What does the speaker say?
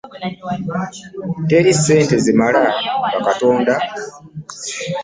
Teri ssente zimala nga Katonda taziriimu.